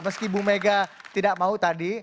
meski bu mega tidak mau tadi